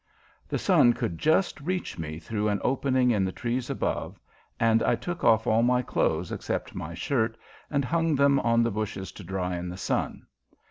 The sun could just reach me through an opening in the trees above, and I took off all my clothes except my shirt and hung them on the bushes to dry in the sun.